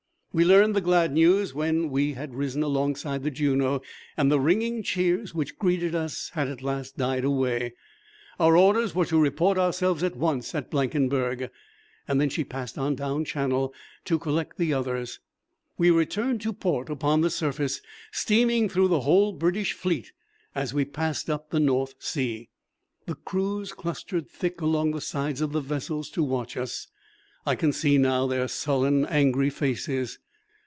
We learned the glad news when we had risen alongside the Juno, and the ringing cheers which greeted us had at last died away. Our orders were to report ourselves at once at Blankenberg. Then she passed on down Channel to collect the others. We returned to port upon the surface, steaming through the whole British fleet as we passed up the North Sea. The crews clustered thick along the sides of the vessels to watch us. I can see now their sullen, angry faces.